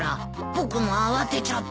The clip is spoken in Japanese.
僕も慌てちゃって。